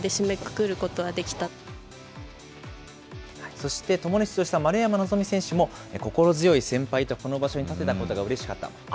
そして、共に出場した丸山希選手も、心強い先輩とこの場所に立てたことがうれしかった。